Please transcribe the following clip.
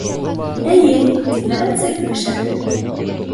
Эйе, декорация бик шәп